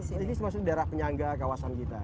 iya ini ini semestanya daerah penyangga kawasan kita